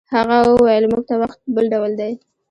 هغه وویل موږ ته وخت بل ډول دی.